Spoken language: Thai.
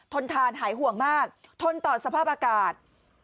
ทนทานหายห่วงมากทนต่อสภาพอากาศ